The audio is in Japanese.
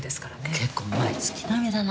結構お前月並みだな。